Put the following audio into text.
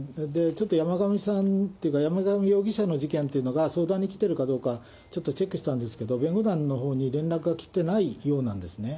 ちょっと山上さんっていうか、山上容疑者の事件というのが、相談に来てるかどうかは、ちょっとチェックしたんですけど、弁護団のほうに連絡が来てないようなんですね。